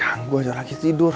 ganggu aja lagi tidur